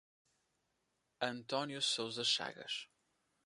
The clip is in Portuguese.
Antônio Souza Chagas